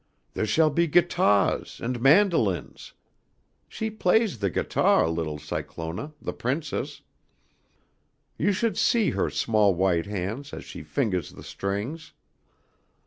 Theah shall be guitahs and mandolins. She plays the guitah a little, Cyclona, the Princess. You should see her small white hands as she fingahs the strings.